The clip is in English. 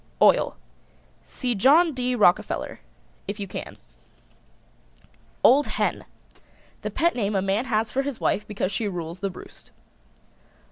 OIL. See John D. Rockerfeller if you can. OLD HEN. The pet name a man has for his wife because she rules the roost.